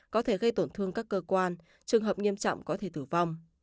có thể gây tổn thương các cơ quan trường hợp nghiêm trọng có thể tử vong